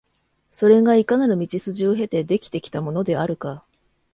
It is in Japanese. それがいかなる道筋を経て出来てきたものであるか、